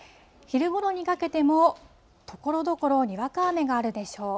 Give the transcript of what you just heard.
昼ごろにかけても、ところどころ、にわか雨があるでしょう。